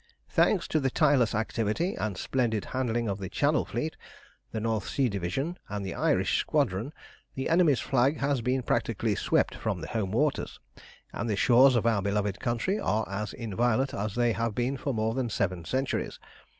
"Thanks to the tireless activity and splendid handling of the Channel fleet, the North Sea Division, and the Irish Squadron, the enemy's flag has been practically swept from the home waters, and the shores of our beloved country are as inviolate as they have been for more than seven centuries.